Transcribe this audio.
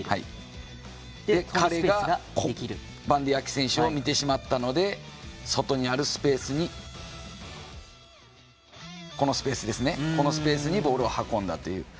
彼が、バンディー・アキ選手を見てしまったので外にあるスペースにボールを運んだという。